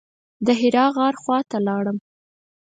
د حرا غار خواته لاړم.